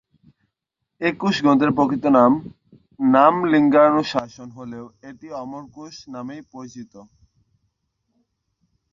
এ কোষগ্রন্থের প্রকৃত নাম ‘নামলিঙ্গানুশাসন’ হলেও এটি অমরকোষ নামেই বিখ্যাত।